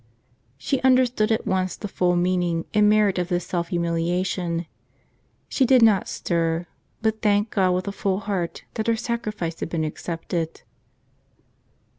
She understood at once the full meaning and merit of this self humiliation ; she did not stir, but thanked God with a full heart that her sacrifice had been accepted.